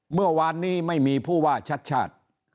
เมื่อวานนี้ไม่มีผู้ว่าชัดชาติ